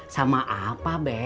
sama apa be